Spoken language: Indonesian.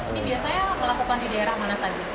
ini biasanya melakukan di daerah mana saja